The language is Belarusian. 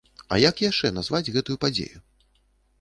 А як яшчэ назваць гэтую падзею?